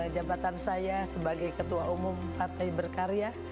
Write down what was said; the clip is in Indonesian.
jabatan saya sebagai ketua umum partai berkarya